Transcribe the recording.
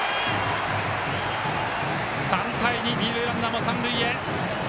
３対２、二塁ランナーも三塁へ。